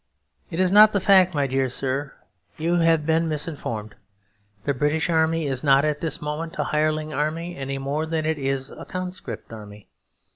It is not the fact, my dear sir. You have been misinformed. The British Army is not at this moment a hireling army any more than it is a conscript army.